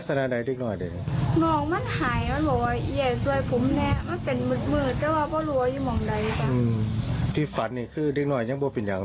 มันหนาวมันนอนขดมันเหมือนมันหนาว